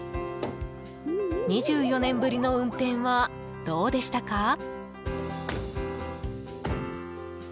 ２４年ぶりの運転はどうでしたか？